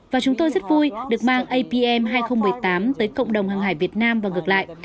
và chúng tôi rất vui được mang apm hai nghìn một mươi tám tới cộng đồng hàng hải việt nam và ngược lại